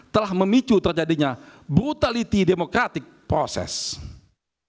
telah memicu terjadinya brutality democratic process